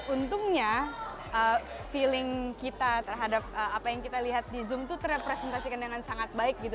untungnya feeling kita terhadap apa yang kita lihat di zoom itu terrepresentasikan dengan sangat baik gitu